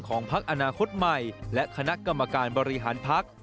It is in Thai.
พักอนาคตใหม่และคณะกรรมการบริหารพัก